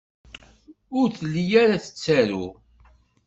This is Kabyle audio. Ur telli ara tettaru.